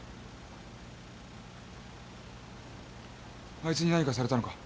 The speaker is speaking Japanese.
あいつに何かされたのか？